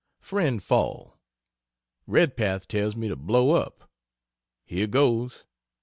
FRIEND FALL, Redpath tells me to blow up. Here goes!